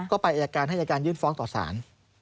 ก็ไปอายการให้อายการยื่นฟ้องต่อสาร